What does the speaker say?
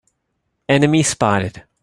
Enemy spotted!